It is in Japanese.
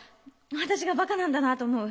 私がバカなんだなと思う。